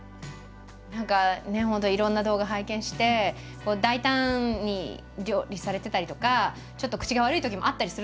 何かねいろんな動画拝見して大胆に料理されてたりとかちょっと口が悪いときもあったりすると思うんですけど。